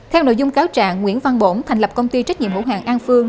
theo nội dung cáo trạng nguyễn văn bổn thành lập công ty trách nhiệm hữu hàng an phương